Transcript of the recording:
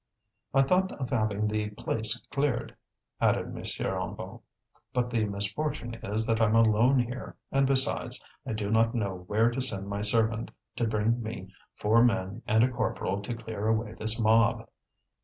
"I thought of having the place cleared," added M. Hennebeau. "But the misfortune is that I'm alone here, and, besides, I do not know where to send my servant to bring me four men and a corporal to clear away this mob."